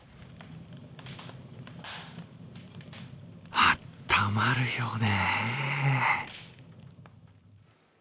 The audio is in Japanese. あったまるよね。